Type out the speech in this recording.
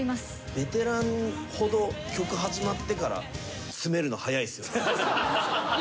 ベテランほど曲始まってから詰めるの速いっすよねそうそう！